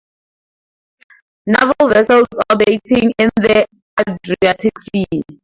Naval vessels operating in the Adriatic Sea.